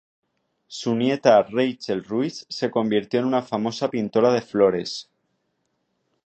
Su nieta Rachel Ruysch se convirtió en una famosa pintora de flores.